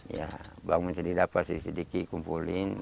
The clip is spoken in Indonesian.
ya bangun sendiri dapat sedikit kumpulin